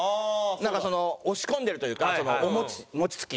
なんか押し込んでるというかお餅餅つき。